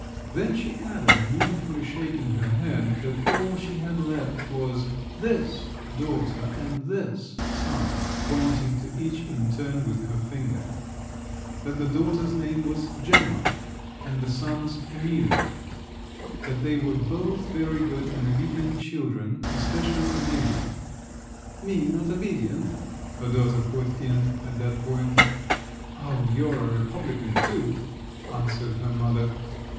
Then she added, mournfully shaking her head, that all she had left was this daughter and this son (pointing to each in turn with her finger); that the daughter's name was Gemma, and the son's Emilio; that they were both very good and obedient children—especially Emilio … ("Me not obedient!" her daughter put in at that point. "Oh, you're a republican, too!" answered her mother).